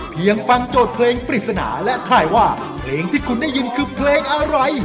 ฟังโจทย์เพลงปริศนาและถ่ายว่าเพลงที่คุณได้ยินคือเพลงอะไร